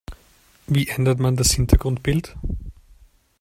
Wie ändert man das Hintergrundbild?